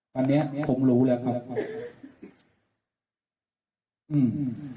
ตอนนี้ผมรู้แล้วครับ